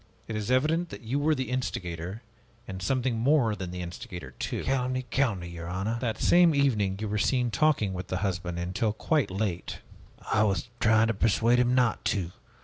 It is evident that you were the instigator, and something more than the instigator, too." "Calumny, calumny, your honor!" "That same evening you were seen talking with the husband until quite late." "I was trying to persuade him not to.